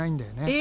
え！